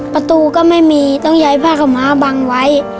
ประตูก็ไม่มีต้องใช้ผ้ากระมะบังไว้